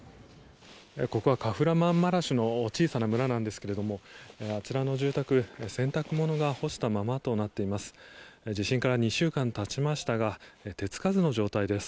ここはカフラマンマラシュの小さな村なんですがあちらの住宅、洗濯物が干したままとなっています。